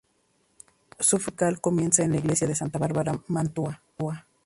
Su formación musical comienza en la iglesia de Santa Bárbara en Mantua.